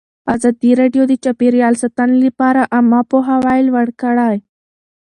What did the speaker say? ازادي راډیو د چاپیریال ساتنه لپاره عامه پوهاوي لوړ کړی.